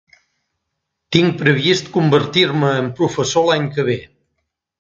Tinc previst convertir-me en professor l'any que ve.